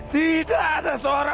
tidak ada soalan